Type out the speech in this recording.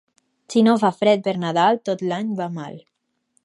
Si no fa fred per Nadal, tot l'any va mal.